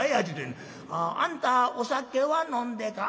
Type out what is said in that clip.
「あんたお酒は飲んでか？」。